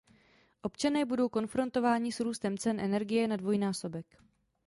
Občané budou konfrontováni s růstem cen energie na dvojnásobek.